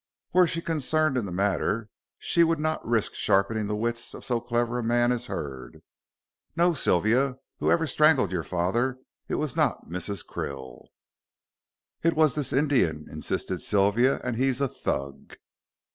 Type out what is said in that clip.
Were she concerned in the matter she would not risk sharpening the wits of so clever a man as Hurd. No, Sylvia, whosoever strangled your father it was not Mrs. Krill." "It was this Indian," insisted Sylvia, "and he's a Thug."